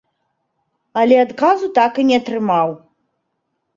Але адказу так і не атрымаў.